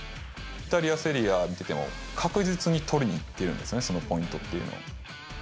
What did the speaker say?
イタリア・セリアＡのときも確実に取りにいっているんですね、そのポイントっていうのを。